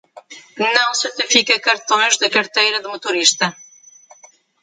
Não certifica cartões de carteira de motorista.